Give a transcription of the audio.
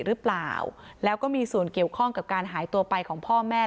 หรือเปล่าแล้วก็มีส่วนเกี่ยวข้องกับการหายตัวไปของพ่อแม่